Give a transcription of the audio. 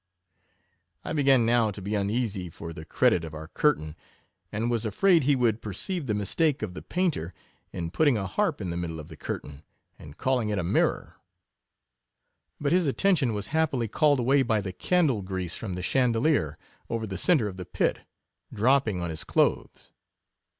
1 began now to be uneasy for the credit of our curtain, and was afraid he would per c 2 24 ceive the mistake of the painter, in putting a harp in the middle of the curtain, and calling it a mirror; but his attention was happily called away by the candle grease from the chandelier, over the centre of the pit, drop ping on his clothes.